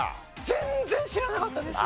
全然知らなかったです。